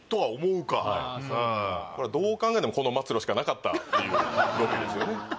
うんこれはどう考えてもこの末路しかなかったっていうロケですよね